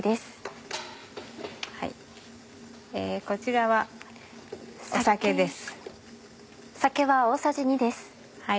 こちらは酒です。